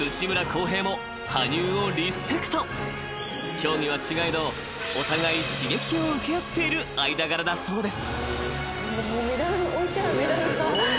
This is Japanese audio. ［競技は違えどお互い刺激を受け合っている間柄だそうです］